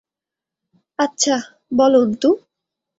আচ্ছা, বলো অন্তু।